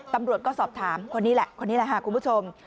ตำรวจก็สอบถามคนนี้แหละคนนี้แหละค่ะคุณผู้ชม